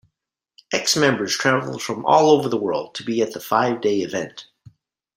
Ex-members travelled from all over the world to be at the five-day event.